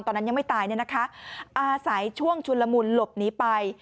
ตอนนั้นยังไม่ตายเนี่ยนะคะอาศัยช่วงชุนละมุนหลบหนีไป